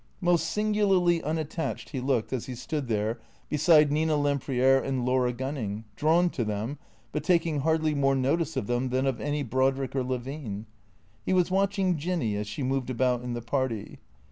Most singularly unattached he looked, as he stood there, beside Nina Lempriere and Laura Gunning, drawn to them, but taking hardly more notice of them than of any Brodrick or Levine. He was watching Jinny as she moved about in the party.